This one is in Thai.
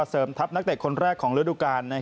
ทัพนักเตะคนแรกของฤดูกาล